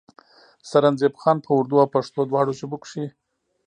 سرنزېب خان پۀ اردو او پښتو دواړو ژبو کښې